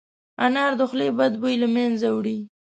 انار د خولې بد بوی له منځه وړي.